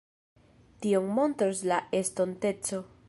Tion montros la estonteco.